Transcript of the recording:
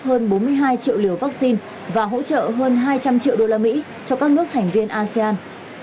hơn bốn mươi hai triệu liều vaccine và hỗ trợ hơn hai trăm linh triệu đô la mỹ cho các nước thành viên asean